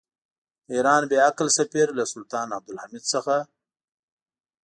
د ایران بې عقل سفیر له سلطان عبدالحمید څخه.